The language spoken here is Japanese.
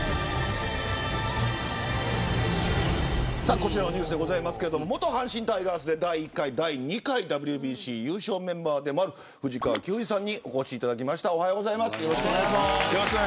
こちらのニュースですけど元阪神タイガースで第１回、第２回ＷＢＣ優勝メンバーでもある藤川球児さんにお越しいただきました。